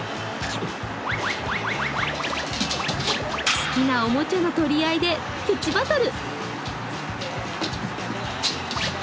好きなおもちゃの取り合いでプチバトル。